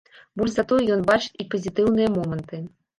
Больш за тое ён бачыць і пазітыўныя моманты.